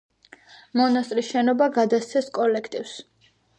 მონასტრის შენობა გადასცეს კოლექტივს.